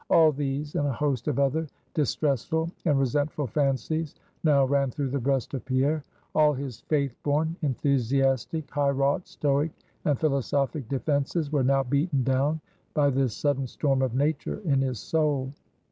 All these and a host of other distressful and resentful fancies now ran through the breast of Pierre. All his Faith born, enthusiastic, high wrought, stoic, and philosophic defenses, were now beaten down by this sudden storm of nature in his soul.